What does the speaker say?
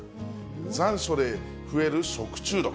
残暑で増える食中毒。